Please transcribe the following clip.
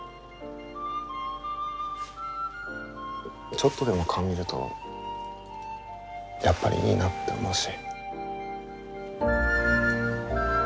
ちょっとでも顔見るとやっぱりいいなって思うし。